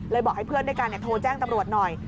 บอกให้เพื่อนด้วยกันโทรแจ้งตำรวจหน่อย